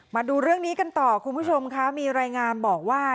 มาดูเรื่องนี้กันต่อคุณผู้ชมค่ะมีรายงานบอกว่า